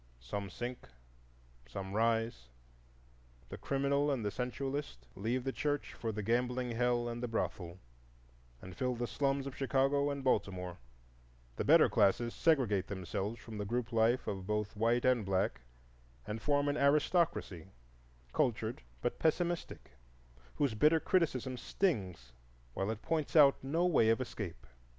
Some sink, some rise. The criminal and the sensualist leave the church for the gambling hell and the brothel, and fill the slums of Chicago and Baltimore; the better classes segregate themselves from the group life of both white and black, and form an aristocracy, cultured but pessimistic, whose bitter criticism stings while it points out no way of escape.